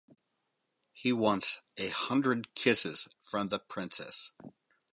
He wants a hundred kisses from the princess.